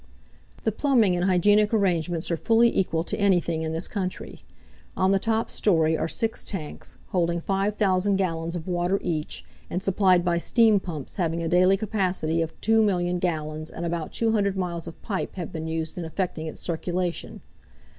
The plumbing and hygienic arrangements are fully equal to anything in this country. On the top story are six tanks, holding 5,000 gallons of water each, and supplied by steam pumps having a daily capacity of 2,000,000 gallons, and about 200 miles of pipe have been used in effecting its circulation.